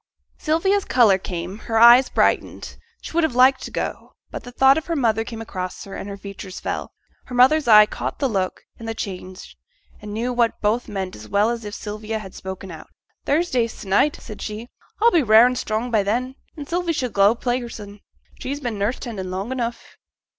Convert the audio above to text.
Sylvia's colour came, her eyes brightened, she would have liked to go; but the thought of her mother came across her, and her features fell. Her mother's eye caught the look and the change, and knew what both meant as well as if Sylvia had spoken out. 'Thursday se'nnight,' said she. 'I'll be rare and strong by then, and Sylvie shall go play hersen; she's been nurse tending long enough.'